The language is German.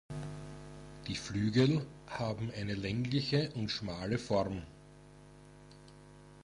Die Flügel haben eine längliche und schmale Form.